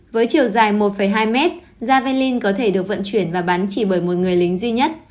với chiều dài một hai mét daven có thể được vận chuyển và bắn chỉ bởi một người lính duy nhất